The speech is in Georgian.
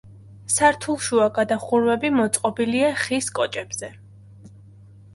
სართულშუა გადახურვები მოწყობილია ხის კოჭებზე.